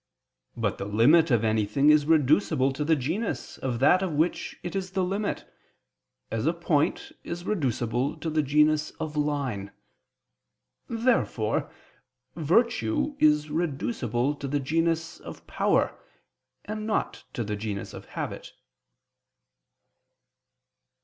But the limit of anything is reducible to the genus of that of which it is the limit; as a point is reducible to the genus of line. Therefore virtue is reducible to the genus of power, and not to the genus of habit.